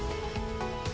kita harus memiliki kekuatan